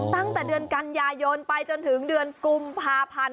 ตั้งแต่เดือนกันยายนไปจนถึงเดือนกุมภาพันธ์